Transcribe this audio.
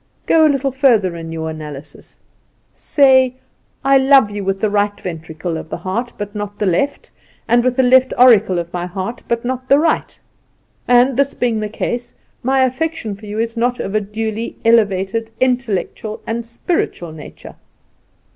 "Go a little further in your analysis; say, 'I love you with the right ventricle of my heart, but not the left, and with the left auricle of my heart, but not the right; and, this being the case, my affection for you is not of a duly elevated, intellectual and spiritual nature.